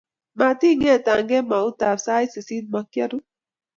Mating'eta kemoutab sait sisit mo kiaruu